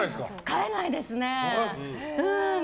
買えないですね。